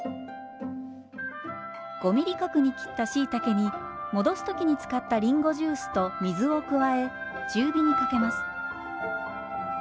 ５ｍｍ角に切ったしいたけに戻す時に使ったりんごジュースと水を加え中火にかけます。